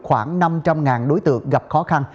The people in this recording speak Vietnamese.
khoảng năm trăm linh đối tượng gặp khó khăn